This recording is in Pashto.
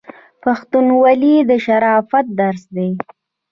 پښتونولي د شرافت درس دی.